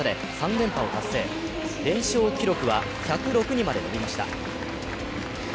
連勝記録は１０６にまで伸びました。